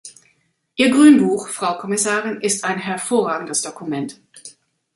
Ihr Grünbuch, Frau Kommissarin, ist ein hervorragendes Dokument.